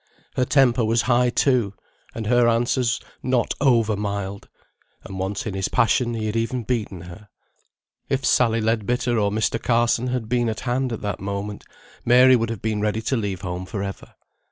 Her temper was high, too, and her answers not over mild; and once in his passion he had even beaten her. If Sally Leadbitter or Mr. Carson had been at hand at that moment, Mary would have been ready to leave home for ever.